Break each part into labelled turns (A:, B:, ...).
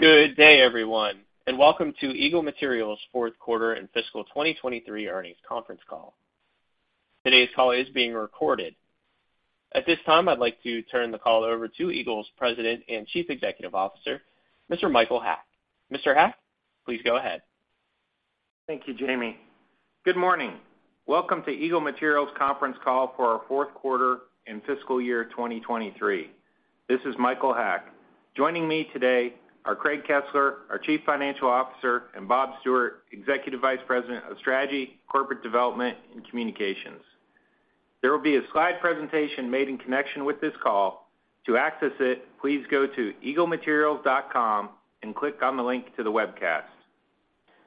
A: Good day, everyone, and welcome to Eagle Materials fourth quarter and fiscal 2023 earnings conference call. Today's call is being recorded. At this time, I'd like to turn the call over to Eagle's President and Chief Executive Officer, Mr. Michael Haack. Mr. Haack, please go ahead.
B: Thank you, Jamie. Good morning. Welcome to Eagle Materials conference call for our fourth quarter and fiscal year 2023. This is Michael Haack. Joining me today are Craig Kesler, our Chief Financial Officer, and Bob Stewart, Executive Vice President of Strategy, Corporate Development, and Communications. There will be a slide presentation made in connection with this call. To access it, please go to eaglematerials.com and click on the link to the webcast..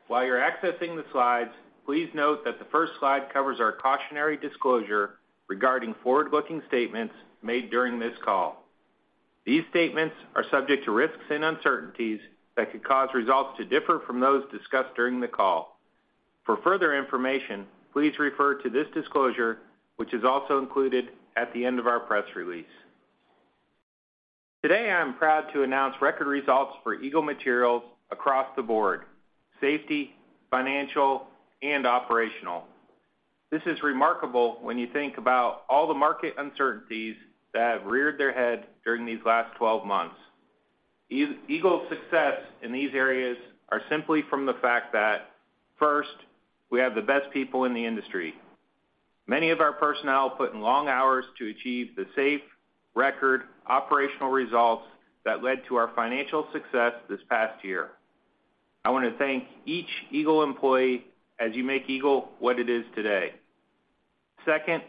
B: While you're accessing the slides, please note that the first slide covers our cautionary disclosure regarding forward-looking statements made during this call. These statements are subject to risks and uncertainties that could cause results to differ from those discussed during the call. For further information, please refer to this disclosure, which is also included at the end of our press release. Today, I am proud to announce record results for Eagle Materials across the board: safety, financial, and operational. This is remarkable when you think about all the market uncertainties that have reared their head during these last 12 months. Eagle's success in these areas are simply from the fact that, first, we have the best people in the industry. Many of our personnel put in long hours to achieve the safe, record, operational results that led to our financial success this past year. I wanna thank each Eagle employee as you make Eagle what it is today. Second,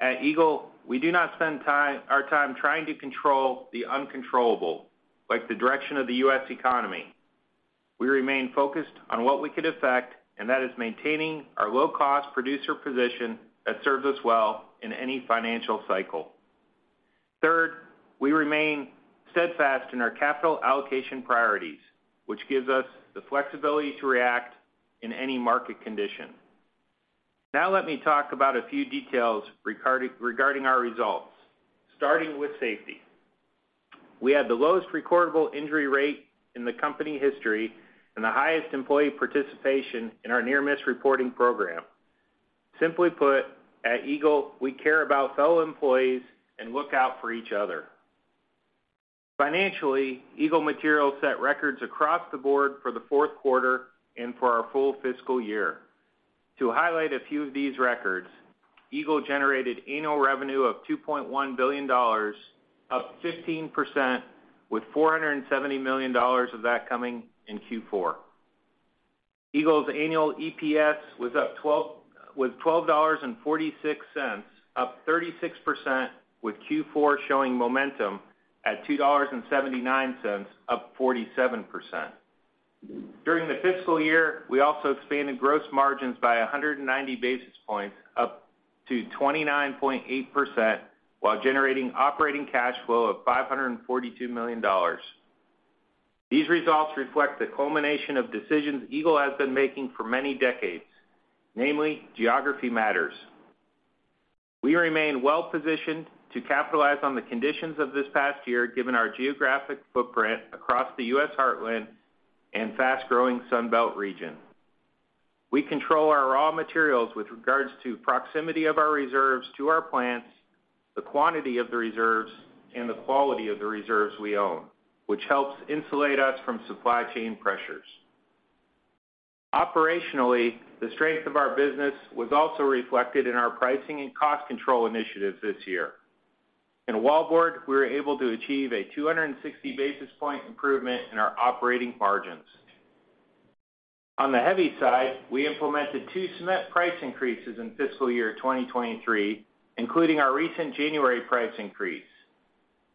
B: at Eagle, we do not spend our time trying to control the uncontrollable, like the direction of the U.S. economy. We remain focused on what we could affect, and that is maintaining our low-cost producer position that serves us well in any financial cycle. Third, we remain steadfast in our capital allocation priorities, which gives us the flexibility to react in any market condition. Let me talk about a few details regarding our results, starting with safety. We had the lowest recordable injury rate in the company history and the highest employee participation in our near-miss reporting program. Simply put, at Eagle, we care about fellow employees and look out for each other. Financially, Eagle Materials set records across the board for the fourth quarter and for our full fiscal year. To highlight a few of these records, Eagle generated annual revenue of $2.1 billion, up 15%, with $470 million of that coming in Q4. Eagle's annual EPS was $12.46, up 36%, with Q4 showing momentum at $2.79, up 47%. During the fiscal year, we also expanded gross margins by 190 basis points, up to 29.8%, while generating operating cash flow of $542 million. These results reflect the culmination of decisions Eagle has been making for many decades, namely geography matters. We remain well-positioned to capitalize on the conditions of this past year, given our geographic footprint across the U.S. Heartland and fast-growing Sun Belt region. We control our raw materials with regards to proximity of our reserves to our plants, the quantity of the reserves, and the quality of the reserves we own, which helps insulate us from supply chain pressures. Operationally, the strength of our business was also reflected in our pricing and cost control initiatives this year. In wallboard, we were able to achieve a 260 basis point improvement in our operating margins. On the heavy side, we implemented two cement price increases in fiscal year 2023, including our recent January price increase.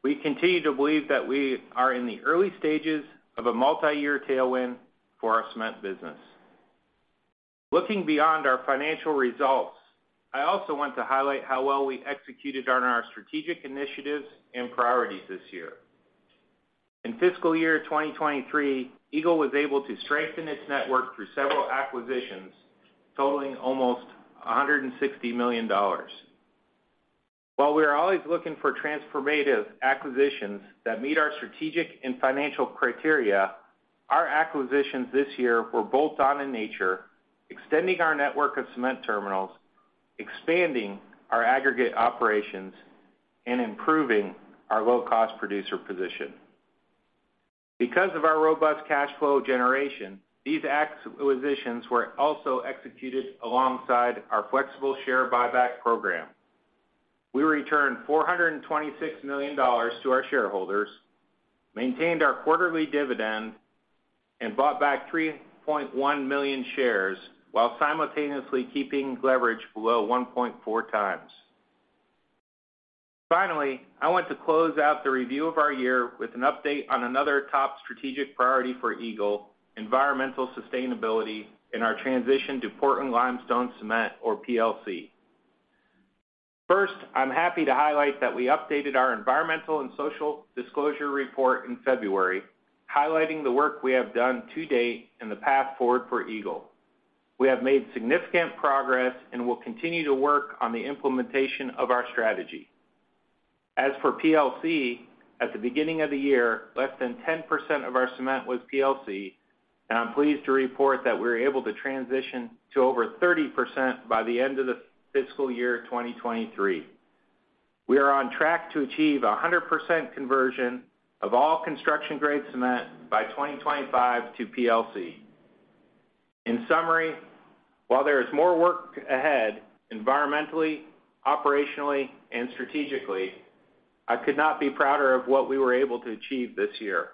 B: We continue to believe that we are in the early stages of a multi-year tailwind for our cement business. Looking beyond our financial results, I also want to highlight how well we executed on our strategic initiatives and priorities this year. In fiscal year 2023, Eagle was able to strengthen its network through several acquisitions, totaling almost $160 million. While we are always looking for transformative acquisitions that meet our strategic and financial criteria, our acquisitions this year were bolt-on in nature, extending our network of cement terminals, expanding our aggregate operations, and improving our low-cost producer position. Because of our robust cash flow generation, these acquisitions were also executed alongside our flexible share buyback program. We returned $426 million to our shareholders, maintained our quarterly dividend, and bought back 3.1 million shares while simultaneously keeping leverage below 1.4 times. I want to close out the review of our year with an update on another top strategic priority for Eagle, environmental sustainability in our transition to Portland Limestone Cement or PLC. I'm happy to highlight that we updated our environmental and social disclosure report in February, highlighting the work we have done to date and the path forward for Eagle. We have made significant progress and will continue to work on the implementation of our strategy. For PLC, at the beginning of the year, less than 10% of our cement was PLC. I'm pleased to report that we were able to transition to over 30% by the end of the fiscal year 2023. We are on track to achieve 100% conversion of all construction grade cement by 2025 to PLC. In summary, while there is more work ahead environmentally, operationally, and strategically, I could not be prouder of what we were able to achieve this year.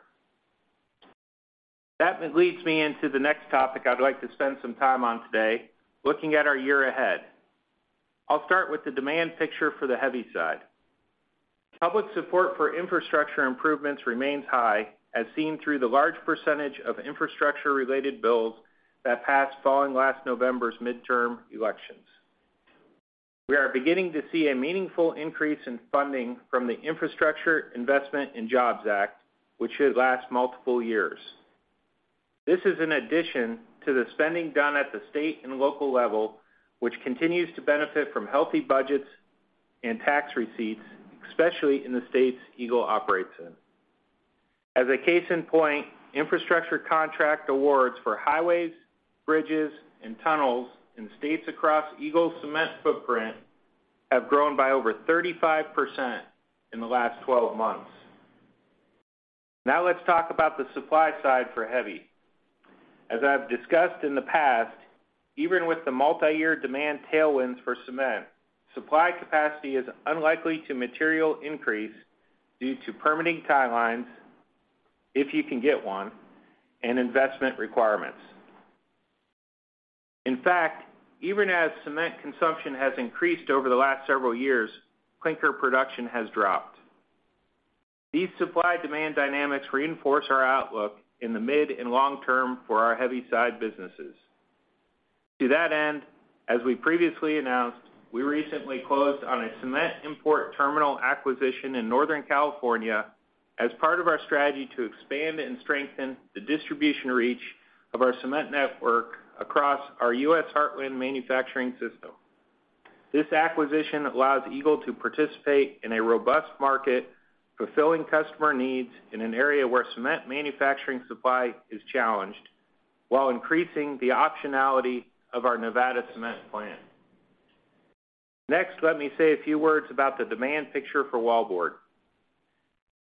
B: That leads me into the next topic I'd like to spend some time on today, looking at our year ahead. I'll start with the demand picture for the heavy side. Public support for infrastructure improvements remains high, as seen through the large percentage of infrastructure-related bills that passed following last November's midterm elections. We are beginning to see a meaningful increase in funding from the Infrastructure Investment and Jobs Act, which should last multiple years. This is in addition to the spending done at the state and local level, which continues to benefit from healthy budgets and tax receipts, especially in the states Eagle operates in. As a case in point, infrastructure contract awards for highways, bridges, and tunnels in states across Eagle's cement footprint have grown by over 35% in the last 12 months. Now let's talk about the supply side for heavy. As I've discussed in the past, even with the multiyear demand tailwinds for cement, supply capacity is unlikely to material increase due to permitting timelines, if you can get one, and investment requirements. In fact, even as cement consumption has increased over the last several years, clinker production has dropped. These supply-demand dynamics reinforce our outlook in the mid and long term for our heavy side businesses. To that end, as we previously announced, we recently closed on a cement import terminal acquisition in Northern California as part of our strategy to expand and strengthen the distribution reach of our cement network across our U.S. Heartland manufacturing system. This acquisition allows Eagle to participate in a robust market, fulfilling customer needs in an area where cement manufacturing supply is challenged, while increasing the optionality of our Nevada cement plant. Let me say a few words about the demand picture for wallboard.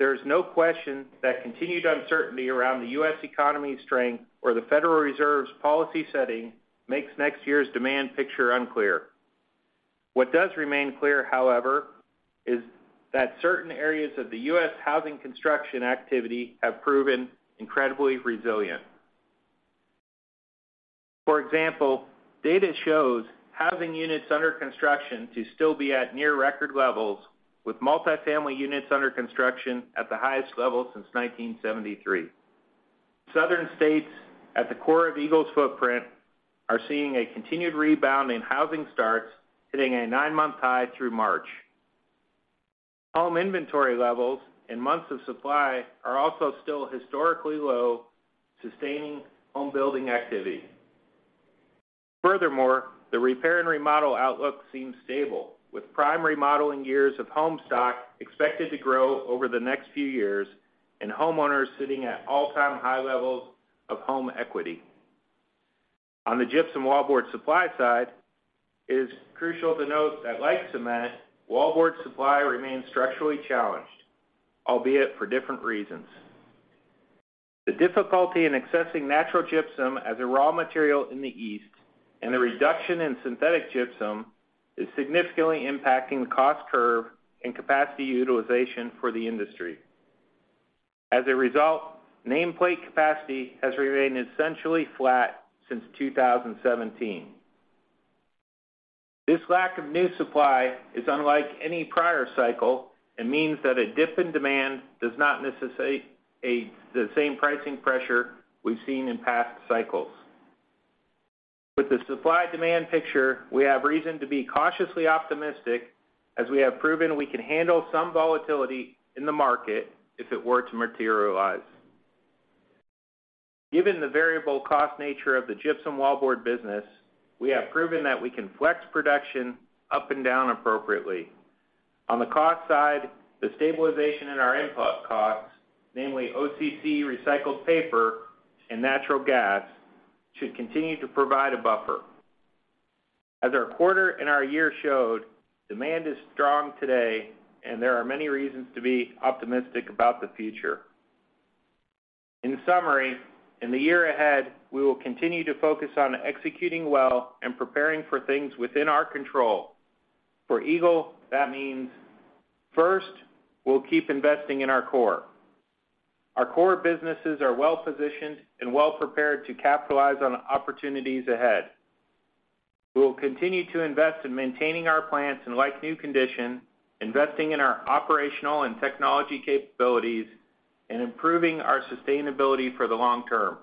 B: There is no question that continued uncertainty around the U.S. economy strength or the Federal Reserve's policy setting makes next year's demand picture unclear. What does remain clear, however, is that certain areas of the U.S. housing construction activity have proven incredibly resilient. For example, data shows housing units under construction to still be at near record levels, with multifamily units under construction at the highest level since 1973. Southern states at the core of Eagle's footprint are seeing a continued rebound in housing starts, hitting a 9-month high through March. Home inventory levels and months of supply are also still historically low, sustaining home building activity. Furthermore, the repair and remodel outlook seems stable, with prime remodeling years of home stock expected to grow over the next few years and homeowners sitting at all-time high levels of home equity. On the gypsum wallboard supply side, it is crucial to note that like cement, wallboard supply remains structurally challenged, albeit for different reasons. The difficulty in accessing natural gypsum as a raw material in the East and the reduction in synthetic gypsum is significantly impacting the cost curve and capacity utilization for the industry. As a result, nameplate capacity has remained essentially flat since 2017. This lack of new supply is unlike any prior cycle and means that a dip in demand does not necessitate the same pricing pressure we've seen in past cycles. With the supply demand picture, we have reason to be cautiously optimistic as we have proven we can handle some volatility in the market if it were to materialize. Given the variable cost nature of the gypsum wallboard business, we have proven that we can flex production up and down appropriately. On the cost side, the stabilization in our input costs, namely OCC recycled paper and natural gas, should continue to provide a buffer. As our quarter and our year showed, demand is strong today, and there are many reasons to be optimistic about the future. In summary, in the year ahead, we will continue to focus on executing well and preparing for things within our control. For Eagle, that means, first, we'll keep investing in our core. Our core businesses are well-positioned and well-prepared to capitalize on opportunities ahead. We will continue to invest in maintaining our plants in like-new condition, investing in our operational and technology capabilities, and improving our sustainability for the long term.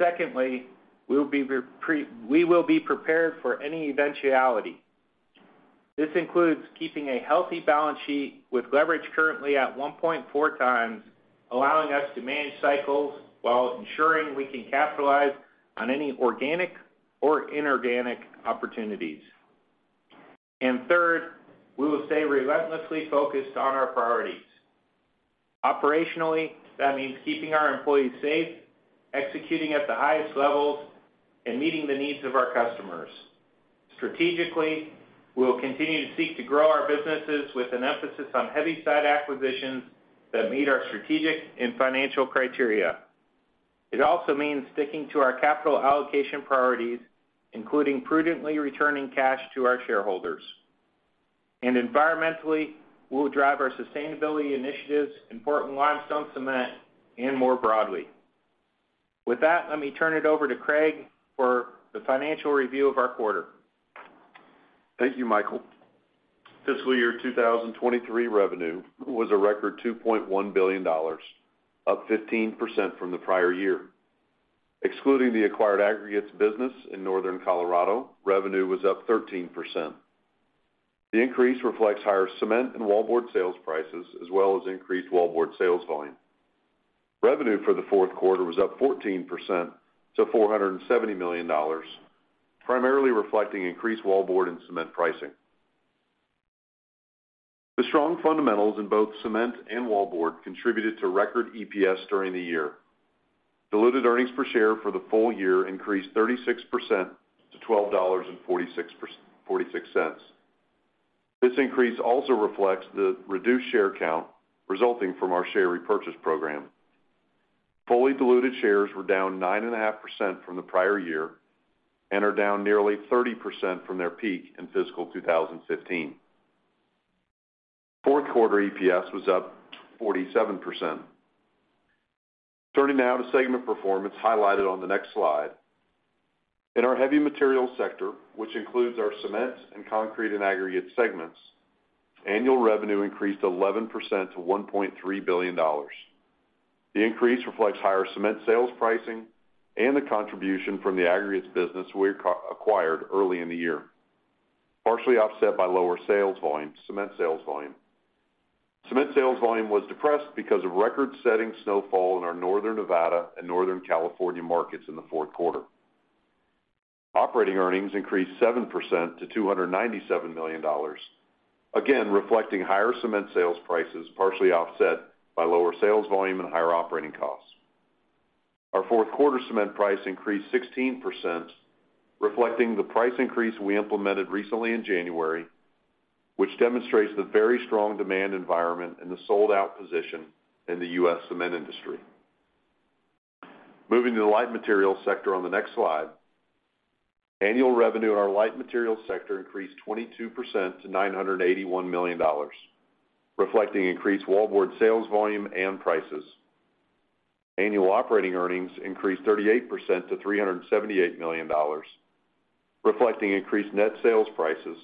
B: Secondly, we will be prepared for any eventuality. This includes keeping a healthy balance sheet with leverage currently at 1.4 times, allowing us to manage cycles while ensuring we can capitalize on any organic or inorganic opportunities. Third, we will stay relentlessly focused on our priorities. Operationally, that means keeping our employees safe, executing at the highest levels, and meeting the needs of our customers. Strategically, we will continue to seek to grow our businesses with an emphasis on heavy side acquisitions that meet our strategic and financial criteria. It also means sticking to our capital allocation priorities, including prudently returning cash to our shareholders. Environmentally, we will drive our sustainability initiatives in Portland Limestone Cement and more broadly. With that, let me turn it over to Craig for the financial review of our quarter.
C: Thank you, Michael. Fiscal year 2023 revenue was a record $2.1 billion, up 15% from the prior year. Excluding the acquired aggregates business in Northern Colorado, revenue was up 13%. The increase reflects higher cement and wallboard sales prices as well as increased wallboard sales volume. Revenue for the fourth quarter was up 14% to $470 million, primarily reflecting increased wallboard and cement pricing. The strong fundamentals in both cement and wallboard contributed to record EPS during the year. Diluted earnings per share for the full year increased 36% to $12.46. This increase also reflects the reduced share count resulting from our share repurchase program. Fully diluted shares were down 9.5% from the prior year and are down nearly 30% from their peak in fiscal 2015. Fourth quarter EPS was up 47%. Turning now to segment performance highlighted on the next slide. In our heavy materials sector, which includes our cement and concrete and aggregate segments, annual revenue increased 11% to $1.3 billion. The increase reflects higher cement sales pricing and the contribution from the aggregates business we acquired early in the year, partially offset by lower cement sales volume. Cement sales volume was depressed because of record-setting snowfall in our Northern Nevada and Northern California markets in the fourth quarter. Operating earnings increased 7% to $297 million, again reflecting higher cement sales prices partially offset by lower sales volume and higher operating costs. Our fourth quarter cement price increased 16%, reflecting the price increase we implemented recently in January, which demonstrates the very strong demand environment and the sold-out position in the U.S. cement industry. Moving to the light materials sector on the next slide. Annual revenue in our light materials sector increased 22% to $981 million, reflecting increased wallboard sales volume and prices. Annual operating earnings increased 38% to $378 million, reflecting increased net sales prices,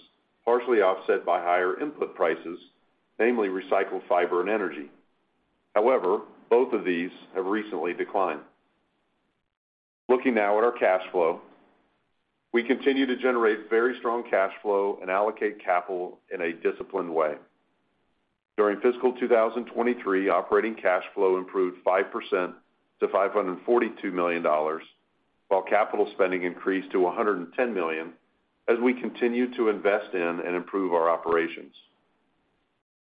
C: partially offset by higher input prices, namely recycled fiber and energy. However, both of these have recently declined. Looking now at our cash flow. We continue to generate very strong cash flow and allocate capital in a disciplined way. During fiscal 2023, operating cash flow improved 5% to $542 million, while capital spending increased to $110 million as we continue to invest in and improve our operations.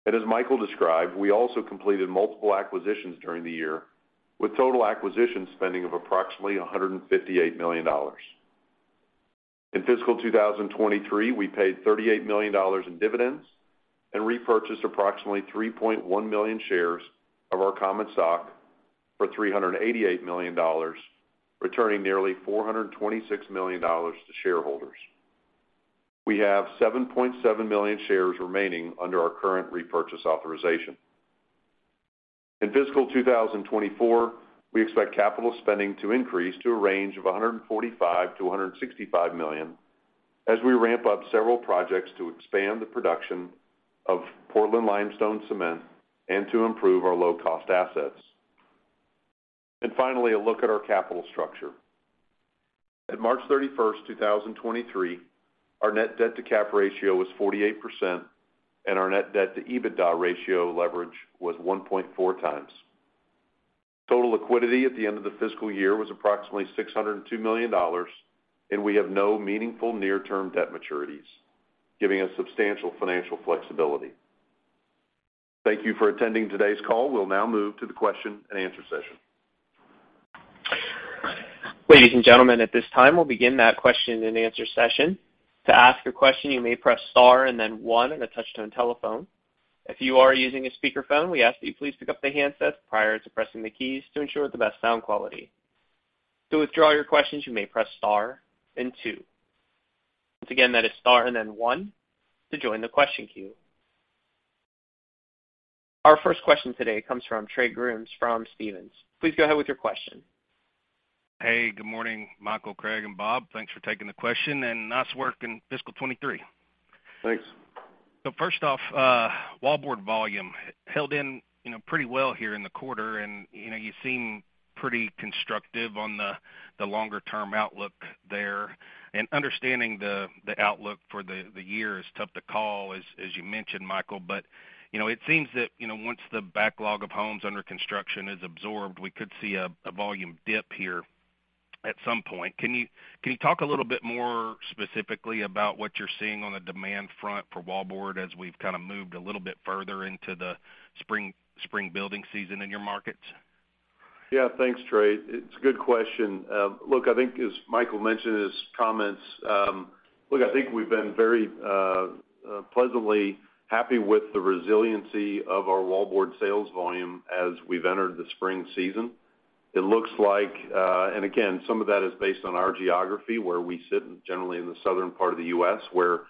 C: As Michael described, we also completed multiple acquisitions during the year, with total acquisition spending of approximately $158 million. In fiscal 2023, we paid $38 million in dividends and repurchased approximately 3.1 million shares of our common stock for $388 million, returning nearly $426 million to shareholders. We have 7.7 million shares remaining under our current repurchase authorization. In fiscal 2024, we expect capital spending to increase to a range of $145 million-$165 million as we ramp up several projects to expand the production of Portland Limestone Cement and to improve our low-cost assets. Finally, a look at our capital structure. At March 31, 2023, our net debt to cap ratio was 48%, and our net debt to EBITDA ratio leverage was 1.4 times. Total liquidity at the end of the fiscal year was approximately $602 million, and we have no meaningful near-term debt maturities, giving us substantial financial flexibility. Thank you for attending today's call. We'll now move to the question and answer session.
A: Ladies and gentlemen, at this time, we'll begin that question and answer session. To ask a question, you may press star and then one on a touch-tone telephone. If you are using a speakerphone, we ask that you please pick up the handset prior to pressing the keys to ensure the best sound quality. To withdraw your questions, you may press star then two. Once again, that is star and then one to join the question queue. Our first question today comes from Trey Grooms from Stephens. Please go ahead with your question.
D: Hey, good morning, Michael, Craig, and Bob. Thanks for taking the question and nice work in fiscal 2023.
C: Thanks.
D: First off, wallboard volume held in, you know, pretty well here in the quarter, and, you know, you seem pretty constructive on the longer-term outlook there. Understanding the outlook for the year is tough to call, as you mentioned, Michael. You know, it seems that, you know, once the backlog of homes under construction is absorbed, we could see a volume dip here at some point. Can you talk a little bit more specifically about what you're seeing on the demand front for wallboard as we've kinda moved a little bit further into the spring building season in your markets?
C: Yeah. Thanks, Trey. It's a good question. Look, I think as Michael mentioned in his comments, look, I think we've been very pleasantly happy with the resiliency of our wallboard sales volume as we've entered the spring season. It looks like, again, some of that is based on our geography, where we sit generally in the southern part of the U.S. where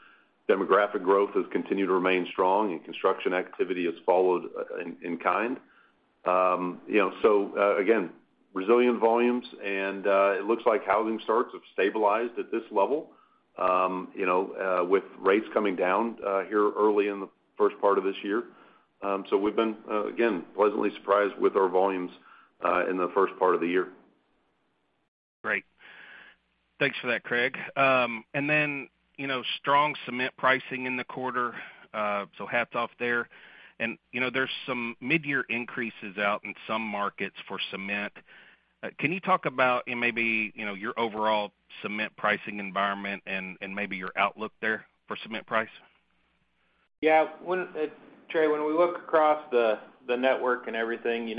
C: demographic growth has continued to remain strong and construction activity has followed in kind. You know, again, resilient volumes, it looks like housing starts have stabilized at this level, you know, with rates coming down here early in the first part of this year. We've been again, pleasantly surprised with our volumes in the first part of the year.
D: Great. Thanks for that, Craig. Then, you know, strong cement pricing in the quarter, so hats off there. You know, there's some midyear increases out in some markets for cement. Can you talk about and maybe, you know, your overall cement pricing environment and maybe your outlook there for cement price?
B: Yeah. When, Trey, when we look across the network and everything, you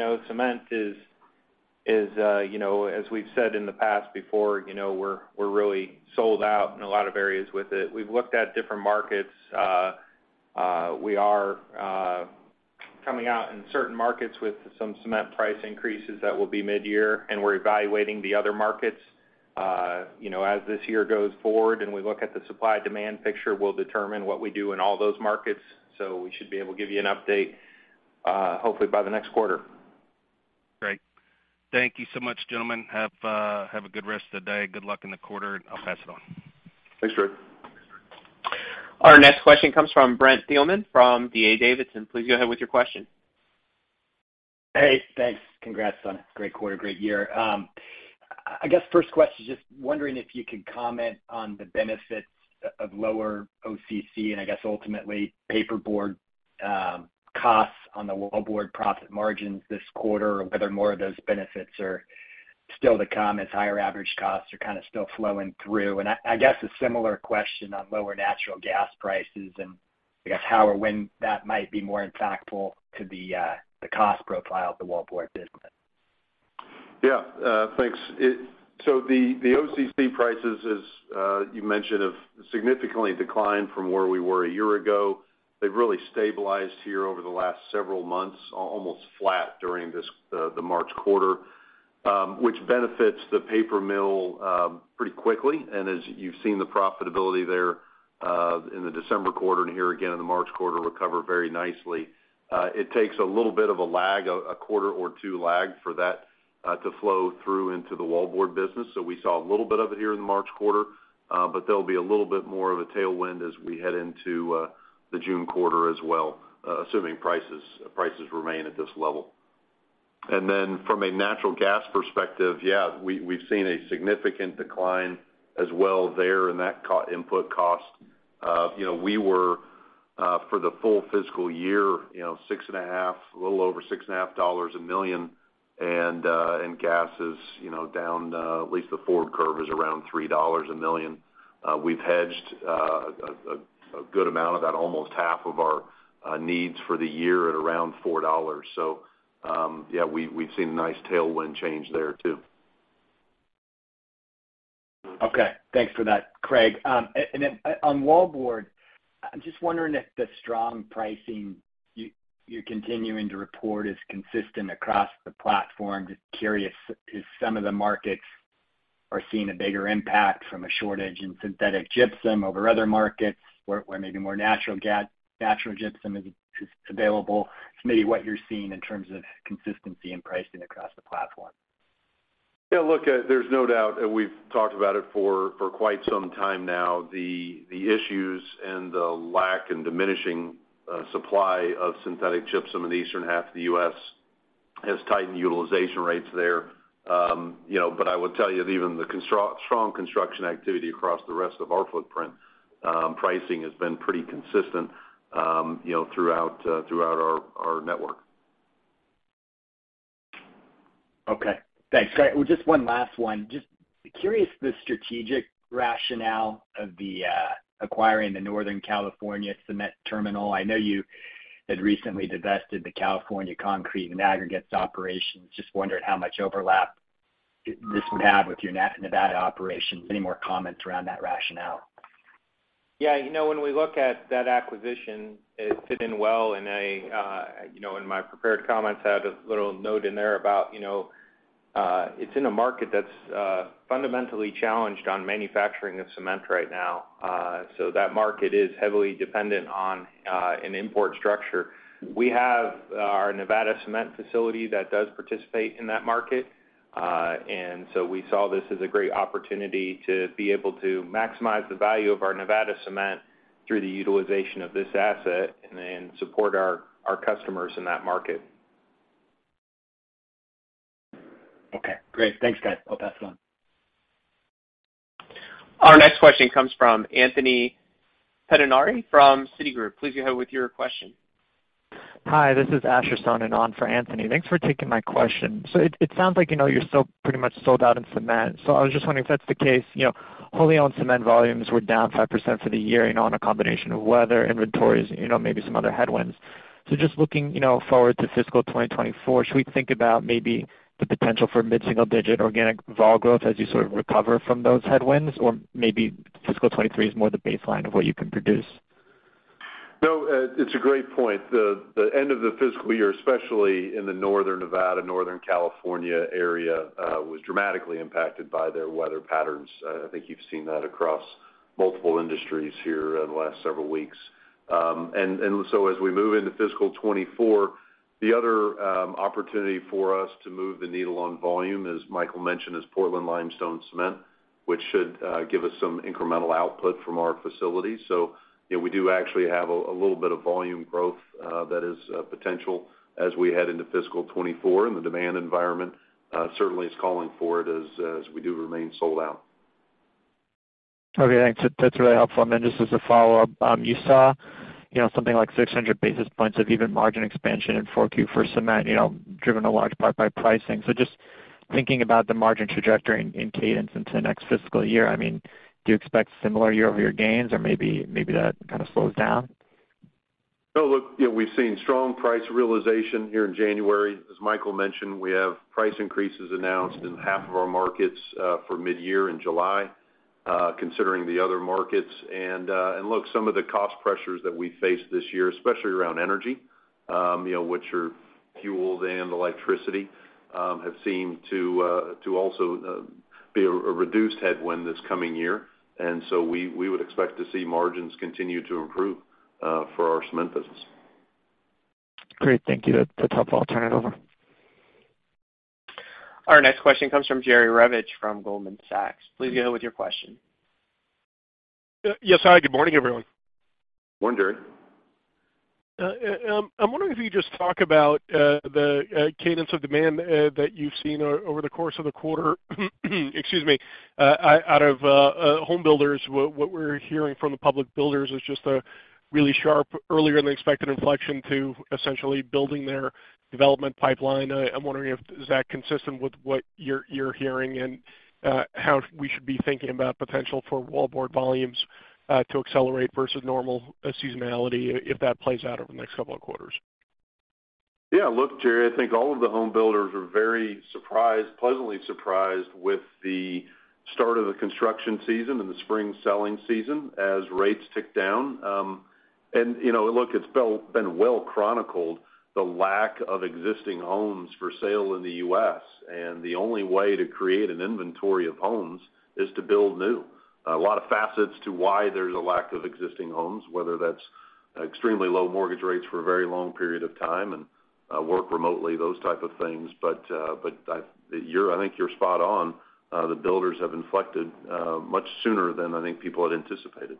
B: know, cement is, you know, as we've said in the past before, you know, we're really sold out in a lot of areas with it. We've looked at different markets. We are coming out in certain markets with some cement price increases that will be midyear, and we're evaluating the other markets. You know, as this year goes forward and we look at the supply-demand picture, we'll determine what we do in all those markets. We should be able to give you an update, hopefully by the next quarter.
D: Great. Thank you so much, gentlemen. Have a good rest of the day. Good luck in the quarter. I'll pass it on.
C: Thanks, Trey.
A: Our next question comes from Brent Thielman from D.A. Davidson. Please go ahead with your question.
E: Hey, thanks. Congrats on a great quarter, great year. I guess first question, just wondering if you could comment on the benefits of lower OCC, and I guess ultimately paper board, costs on the wallboard profit margins this quarter, or whether more of those benefits are still to come as higher average costs are kinda still flowing through. I guess a similar question on lower natural gas prices and I guess how or when that might be more impactful to the cost profile of the wallboard business?
C: Thanks. So the OCC prices, as you mentioned, have significantly declined from where we were a year ago. They've really stabilized here over the last several months, almost flat during this, the March quarter, which benefits the paper mill pretty quickly. As you've seen the profitability there, in the December quarter and here again in the March quarter recover very nicely. It takes a little bit of a lag, a quarter or 2 lag for that, to flow through into the wallboard business. We saw a little bit of it here in the March quarter, but there'll be a little bit more of a tailwind as we head into the June quarter as well, assuming prices remain at this level. From a natural gas perspective, we've seen a significant decline as well there in that input cost. You know, we were for the full fiscal year, you know, $6.5, a little over $6.5 a million, and gas is, you know, down, at least the forward curve is around $3 a million. We've hedged a good amount, about almost half of our needs for the year at around $4. We've seen a nice tailwind change there too.
E: Okay. Thanks for that, Craig. On wallboard, I'm just wondering if the strong pricing you're continuing to report is consistent across the platform. Just curious if some of the markets are seeing a bigger impact from a shortage in synthetic gypsum over other markets where maybe more natural gypsum is available. Just maybe what you're seeing in terms of consistency in pricing across the platform.
C: There's no doubt, we've talked about it for quite some time now, the issues and the lack in diminishing supply of synthetic gypsum in the eastern half of the U.S. has tightened utilization rates there. I would tell you that even the strong construction activity across the rest of our footprint, pricing has been pretty consistent, you know, throughout our network.
E: Okay. Thanks. Craig, just one last one. Just curious the strategic rationale of the acquiring the Northern California Cement Terminal. I know you had recently divested the California Concrete and Aggregates operations. Just wondering how much overlap this would have with your Nevada operations. Any more comments around that rationale?
B: Yeah. You know, when we look at that acquisition, it fit in well in a, you know, in my prepared comments, I had a little note in there about, you know, it's in a market that's fundamentally challenged on manufacturing of cement right now. That market is heavily dependent on an import structure. We have our Nevada cement facility that does participate in that market. We saw this as a great opportunity to be able to maximize the value of our Nevada cement through the utilization of this asset and then support our customers in that market.
E: Okay, great. Thanks, guys. I'll pass it on.
A: Our next question comes from Anthony Pettinari from Citigroup. Please go ahead with your question.
F: Hi, this is Asher signing on for Anthony. Thanks for taking my question. It sounds like, you know, you're still pretty much sold out in cement. I was just wondering if that's the case, you know, wholly owned cement volumes were down 5% for the year on a combination of weather, inventories, you know, maybe some other headwinds. Just looking, you know, forward to fiscal 2024, should we think about maybe the potential for mid-single digit organic vol growth as you sort of recover from those headwinds? Or maybe fiscal 2023 is more the baseline of what you can produce?
C: No, it's a great point. The, the end of the fiscal year, especially in the Northern Nevada, Northern California area, was dramatically impacted by their weather patterns. I think you've seen that across multiple industries here in the last several weeks. As we move into fiscal 2024, the other opportunity for us to move the needle on volume, as Michael mentioned, is Portland Limestone Cement, which should give us some incremental output from our facilities. You know, we do actually have a little bit of volume growth that is potential as we head into fiscal 2024. The demand environment certainly is calling for it as we do remain sold out.
F: Okay, thanks. That's really helpful. Just as a follow-up, you saw, you know, something like 600 basis points of EBITDA margin expansion in Q4 for cement, you know, driven a large part by pricing. Just thinking about the margin trajectory in cadence into next fiscal year, I mean, do you expect similar year-over-year gains or maybe that kind of slows down?
C: No, look, you know, we've seen strong price realization here in January. As Michael mentioned, we have price increases announced in half of our markets, for mid-year in July, considering the other markets. Look, some of the cost pressures that we faced this year, especially around energy, you know, which are fuel and electricity, have seemed to also be a reduced headwind this coming year. We would expect to see margins continue to improve for our cement business.
F: Great. Thank you. That's a tough one. I'll turn it over.
A: Our next question comes from Jerry Revich from Goldman Sachs. Please go with your question.
G: Yes. Hi, good morning, everyone.
C: Morning, Jerry.
G: Uh, um, I'm wondering if you could just talk about, uh, the, uh, cadence of demand, uh, that you've seen o-over the course of the quarter, excuse me, uh, out, out of, uh, home builders. What, what we're hearing from the public builders is just a really sharp earlier than expected inflection to essentially building their development pipeline. Uh, I'm wondering if, is that consistent with what you're, you're hearing and, uh, how we should be thinking about potential for wallboard volumes, uh, to accelerate versus normal seasonality, if that plays out over the next couple of quarters.
C: Yeah, look, Jerry, I think all of the home builders are very surprised, pleasantly surprised with the start of the construction season and the spring selling season as rates tick down. You know, look, it's been well chronicled the lack of existing homes for sale in the U.S., and the only way to create an inventory of homes is to build new. A lot of facets to why there's a lack of existing homes, whether that's extremely low mortgage rates for a very long period of time and work remotely, those type of things. I think you're spot on. The builders have inflected much sooner than I think people had anticipated.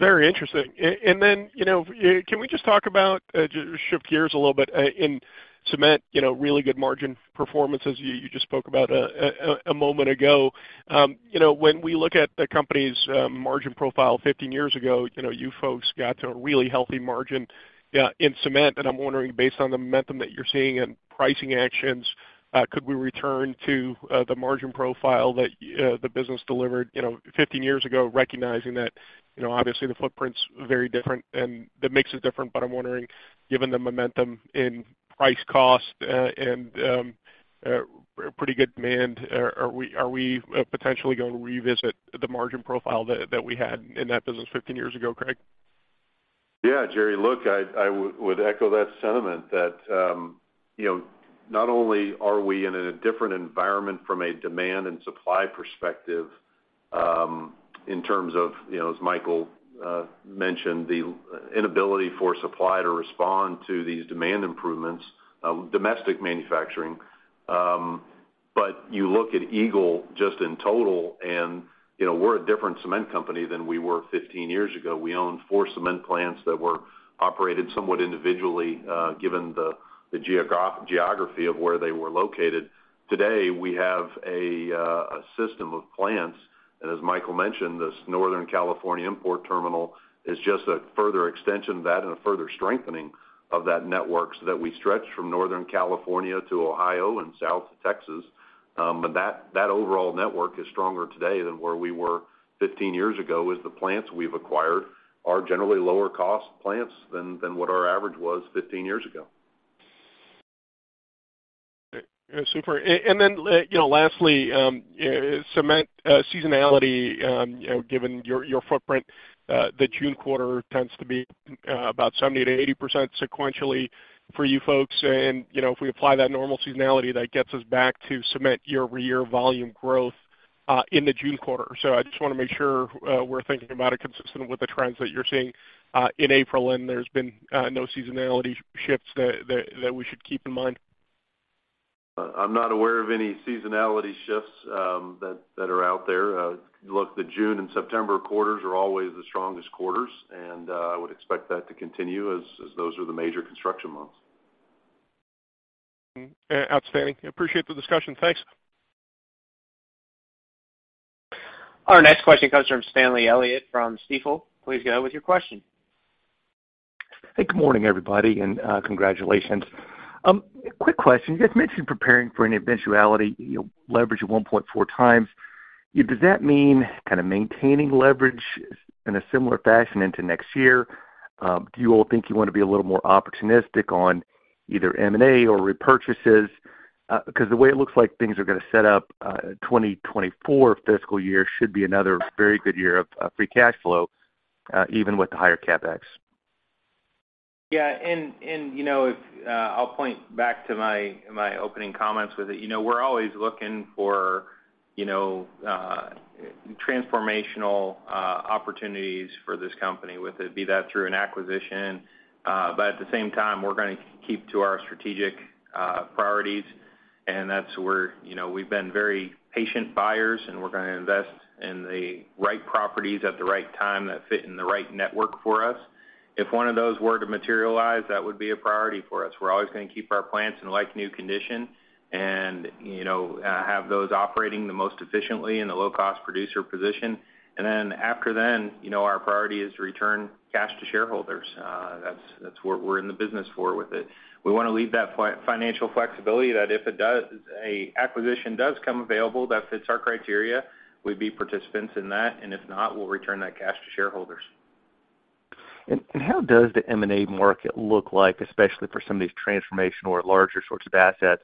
G: Very interesting. You know, can we just talk about shift gears a little bit in cement, you know, really good margin performance as you just spoke about a moment ago. You know, when we look at the company's margin profile 15 years ago, you know, you folks got to a really healthy margin in cement. I'm wondering, based on the momentum that you're seeing in pricing actions, could we return to the margin profile that the business delivered, you know, 15 years ago, recognizing that, you know, obviously the footprint's very different and the mix is different. I'm wondering, given the momentum in price cost, and pretty good demand, are we potentially going to revisit the margin profile that we had in that business 15 years ago, Craig?
C: Yeah, Jerry, look, I would echo that sentiment that, you know, not only are we in a different environment from a demand and supply perspective, in terms of, you know, as Michael mentioned, the inability for supply to respond to these demand improvements, domestic manufacturing. You look at Eagle just in total and, you know, we're a different cement company than we were 15 years ago. We owned 4 cement plants that were operated somewhat individually, given the geography of where they were located. Today, we have a system of plants, and as Michael mentioned, this Northern California import terminal is just a further extension of that and a further strengthening of that network so that we stretch from Northern California to Ohio and South to Texas. That overall network is stronger today than where we were 15 years ago, as the plants we've acquired are generally lower cost plants than what our average was 15 years ago.
G: Great. Super. Then, you know, lastly, cement seasonality, you know, given your footprint, the June quarter tends to be about 70% to 80% sequentially for you folks. If we apply that normal seasonality, that gets us back to cement year-over-year volume growth in the June quarter. I just wanna make sure we're thinking about it consistent with the trends that you're seeing in April. There's been no seasonality shifts that we should keep in mind.
C: I'm not aware of any seasonality shifts, that are out there. The June and September quarters are always the strongest quarters, and I would expect that to continue as those are the major construction months.
G: Outstanding. I appreciate the discussion. Thanks.
A: Our next question comes from Stanley Elliott from Stifel. Please go with your question.
H: Hey, good morning, everybody, and congratulations. Quick question. You guys mentioned preparing for an eventuality, you know, leverage at 1.4x. Does that mean kind of maintaining leverage in a similar fashion into next year? Do you all think you wanna be a little more opportunistic on either M&A or repurchases? 'cause the way it looks like things are gonna set up, 2024 fiscal year should be another very good year of free cash flow, even with the higher CapEx.
B: Yeah. You know, if, I'll point back to my opening comments with it, you know, we're always looking for, you know, transformational opportunities for this company, whether it be that through an acquisition. At the same time, we're gonna keep to our strategic priorities, and that's where, you know, we've been very patient buyers, and we're gonna invest in the right properties at the right time that fit in the right network for us. If one of those were to materialize, that would be a priority for us. We're always gonna keep our plants in like-new condition and, you know, have those operating the most efficiently in a low-cost producer position. Then after then, you know, our priority is to return cash to shareholders. That's, that's what we're in the business for with it. We wanna leave that financial flexibility that if a acquisition does come available that fits our criteria, we'd be participants in that. If not, we'll return that cash to shareholders.
H: How does the M&A market look like, especially for some of these transformational or larger sorts of assets,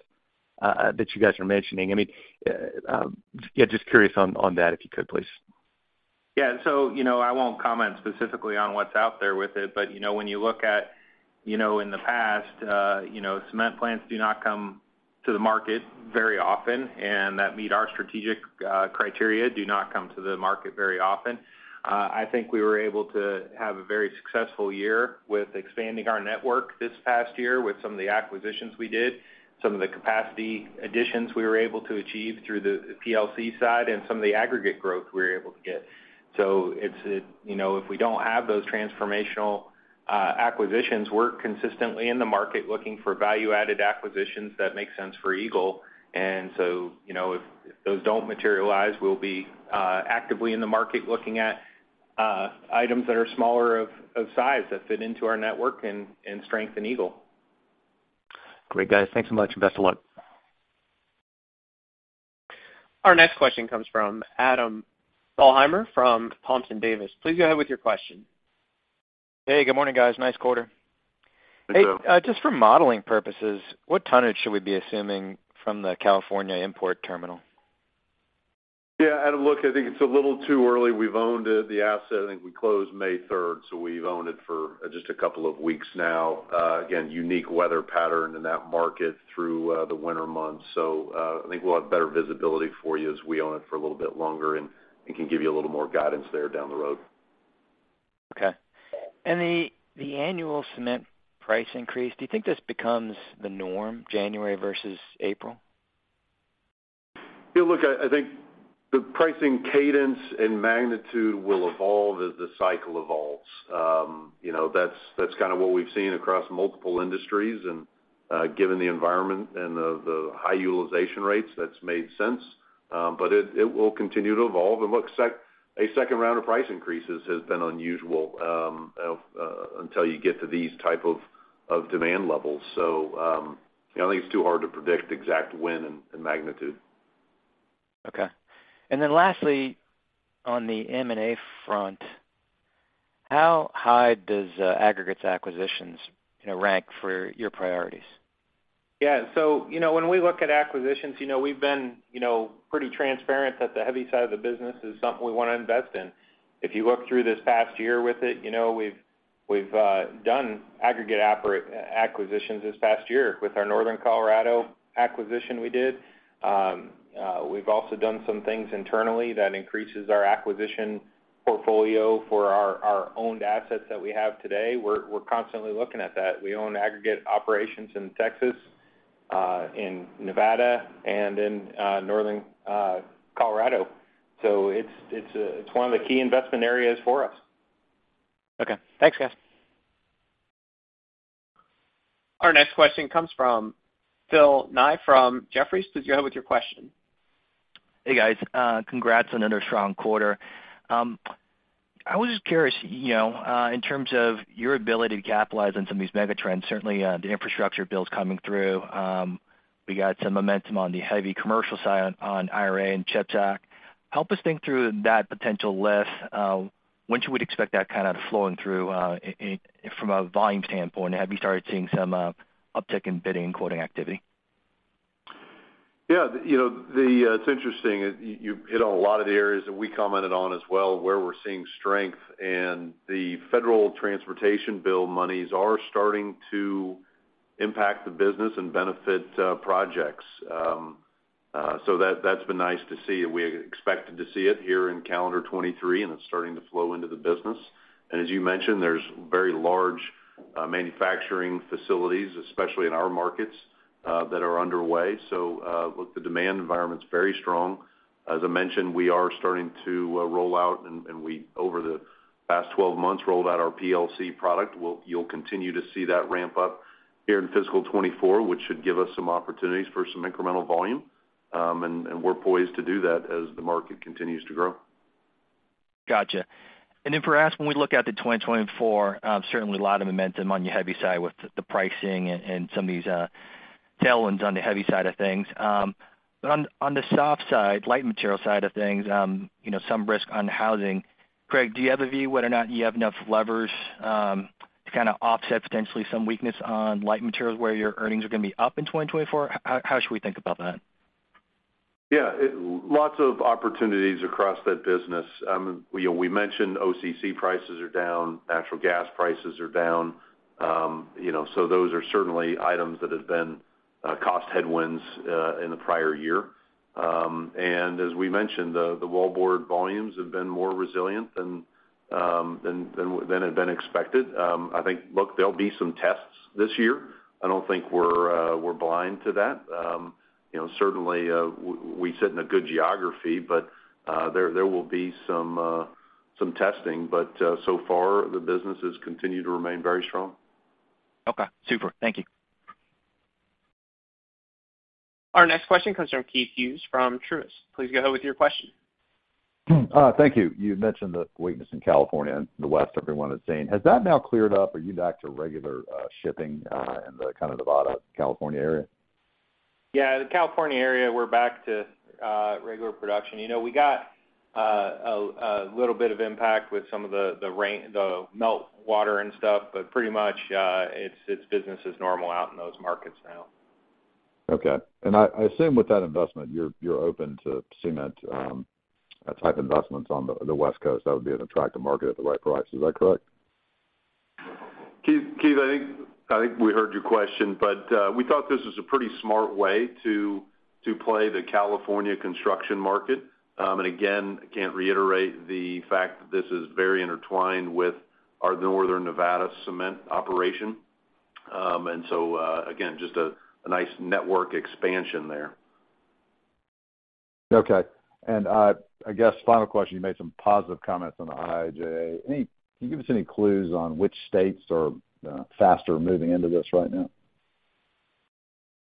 H: that you guys are mentioning? I mean, yeah, just curious on that, if you could please.
B: You know, I won't comment specifically on what's out there with it. But, you know, when you look at, you know, in the past, you know, cement plants do not come to the market very often, and that meet our strategic criteria do not come to the market very often. I think we were able to have a very successful year with expanding our network this past year with some of the acquisitions we did, some of the capacity additions we were able to achieve through the PLC side and some of the aggregate growth we were able to get. You know, if we don't have those transformational acquisitions, we're consistently in the market looking for value-added acquisitions that make sense for Eagle. You know, if those don't materialize, we'll be actively in the market looking at items that are smaller of size that fit into our network and strengthen Eagle.
H: Great, guys. Thanks so much, and best of luck.
A: Our next question comes from Adam Thalhimer from Thompson Davis. Please go ahead with your question.
I: Hey, good morning, guys. Nice quarter.
B: Thank you.
I: Hey, just for modeling purposes, what tonnage should we be assuming from the California import terminal?
B: Yeah, Adam, look, I think it's a little too early. We've owned it, the asset, I think we closed May third, so we've owned it for just a couple of weeks now. again, unique weather pattern in that market through, the winter months. I think we'll have better visibility for you as we own it for a little bit longer and can give you a little more guidance there down the road.
I: Okay. The annual cement price increase, do you think this becomes the norm, January versus April?
B: Yeah, look, I think the pricing cadence and magnitude will evolve as the cycle evolves. You know, that's kind of what we've seen across multiple industries. Given the environment and the high utilization rates, that's made sense. But it will continue to evolve. Look, a second round of price increases has been unusual until you get to these type of demand levels. You know, I think it's too hard to predict exact when and magnitude.
I: Okay. Lastly, on the M&A front, how high does aggregates acquisitions, you know, rank for your priorities?
B: Yeah. You know, when we look at acquisitions, you know, we've been, you know, pretty transparent that the heavy side of the business is something we wanna invest in. If you look through this past year with it, you know, we've done aggregate acquisitions this past year with our northern Colorado acquisition we did. We've also done some things internally that increases our acquisition portfolio for our owned assets that we have today. We're constantly looking at that. We own aggregate operations in Texas, in Nevada, and in northern Colorado. It's one of the key investment areas for us.
I: Okay. Thanks, guys.
A: Our next question comes from Philip Ng from Jefferies. Please go ahead with your question.
J: Hey, guys. Congrats on another strong quarter. I was just curious, you know, in terms of your ability to capitalize on some of these mega trends, certainly, the Infrastructure bill's coming through. We got some momentum on the heavy commercial side on IRA and CHIPS Act. Help us think through that potential lift. When should we expect that kind of flowing through from a volume standpoint? Have you started seeing some uptick in bidding and quoting activity?
B: Yeah. You know, it's interesting. You, you hit on a lot of the areas that we commented on as well, where we're seeing strength. The federal transportation bill monies are starting to impact the business and benefit projects. That, that's been nice to see. We expected to see it here in calendar 2023, and it's starting to flow into the business. As you mentioned, there's very large manufacturing facilities, especially in our markets, that are underway. Look, the demand environment's very strong. As I mentioned, we are starting to roll out, and we over the past 12 months, rolled out our PLC product. You'll continue to see that ramp up here in fiscal 2024, which should give us some opportunities for some incremental volume.
C: We're poised to do that as the market continues to grow.
J: Gotcha. For ask, when we look out to 2024, certainly a lot of momentum on your heavy side with the pricing and some of these tailwinds on the heavy side of things. On the soft side, light material side of things, you know, some risk on housing. Craig, do you have a view whether or not you have enough levers to kinda offset potentially some weakness on light materials where your earnings are gonna be up in 2024? How should we think about that?
C: Yeah. Lots of opportunities across that business. you know, OCC prices are down, natural gas prices are down. you know, so those are certainly items that have been cost headwinds in the prior year. As we mentioned, the wallboard volumes have been more resilient than had been expected. I think, look, there'll be some tests this year. I don't think we're blind to that. you know, certainly, we sit in a good geography, but there will be some testing. So far, the businesses continue to remain very strong.
J: Okay, super. Thank you.
A: Our next question comes from Keith Hughes from Truist. Please go ahead with your question.
K: Thank you. You mentioned the weakness in California and the West everyone has seen. Has that now cleared up? Are you back to regular shipping in the kind of Nevada, California area?
C: Yeah. The California area, we're back to regular production. You know, we got a little bit of impact with some of the rain, the melt water and stuff. Pretty much, it's business as normal out in those markets now.
K: Okay. I assume with that investment you're open to cement type investments on the West Coast. That would be an attractive market at the right price. Is that correct?
C: Keith, I think we heard your question, but we thought this was a pretty smart way to play the California construction market. Again, I can't reiterate the fact that this is very intertwined with our Northern Nevada cement operation. Again, just a nice network expansion there.
K: Okay. I guess final question, you made some positive comments on IIJA. Can you give us any clues on which states are faster moving into this right now?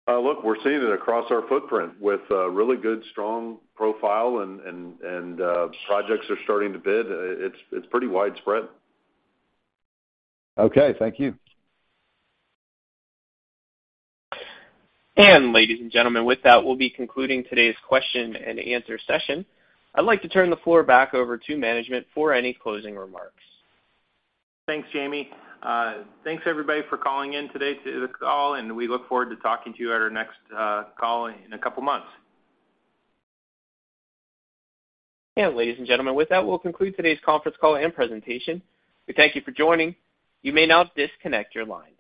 C: look, we're seeing it across our footprint with a really good, strong profile and projects are starting to bid. It's pretty widespread.
K: Okay, thank you.
A: Ladies and gentlemen, with that, we'll be concluding today's question-and-answer session. I'd like to turn the floor back over to management for any closing remarks.
C: Thanks, Jamie. Thanks everybody for calling in today to this call, and we look forward to talking to you at our next call in a couple months.
A: Ladies and gentlemen, with that, we'll conclude today's conference call and presentation. We thank you for joining. You may now disconnect your lines.